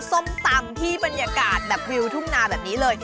ส้มตำที่บรรยากาศแบบวิวทุ่งนาแบบนี้เลย